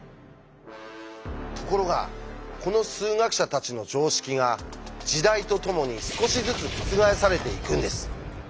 ところがこの数学者たちの常識が時代とともに少しずつ覆されていくんです。